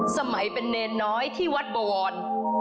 สมัยเป็นเนรน้อยที่วัดบวร